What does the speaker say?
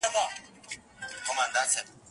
هغه زلمو او بوډاګانو ته منلی چنار